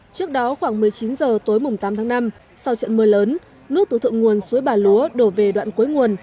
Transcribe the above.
trước đó khoảng một mươi chín h tối tám tháng năm sau trận mưa lớn nước từ thượng nguồn suối bà lúa đổ về đoạn cuối nguồn